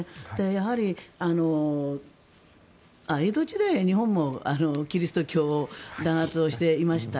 やはり、江戸時代は日本もキリスト教を弾圧をしていました。